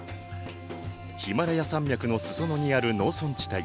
ヒマラヤ山脈の裾野にある農村地帯。